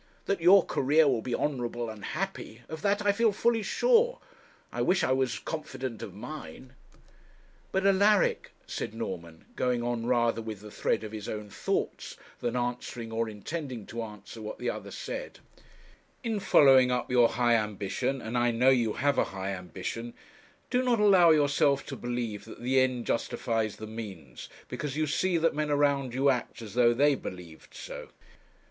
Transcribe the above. That your career will be honourable and happy, of that I feel fully sure! I wish I were as confident of mine.' 'But, Alaric,' said Norman, going on rather with the thread of his own thoughts, than answering or intending to answer what the other said, 'in following up your high ambition and I know you have a high ambition do not allow yourself to believe that the end justifies the means, because you see that men around you act as though they believed so.'